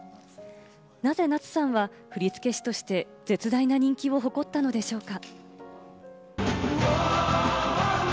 なぜ夏さんは振付師として、絶大な人気を誇ったのでしょうか？